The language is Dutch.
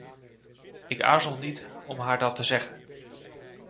Ik aarzel niet om haar dat te zeggen.